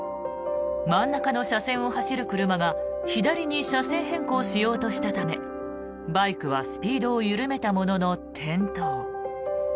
真ん中の車線を走る車が左に車線変更しようとしたためバイクはスピードを緩めたものの転倒。